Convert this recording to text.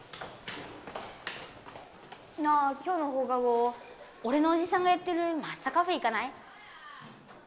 なあ今日のほうか後おれのおじさんがやってるマスタカフェ行かない？